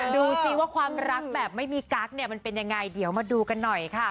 ดูสิว่าความรักแบบไม่มีกั๊กเนี่ยมันเป็นยังไงเดี๋ยวมาดูกันหน่อยค่ะ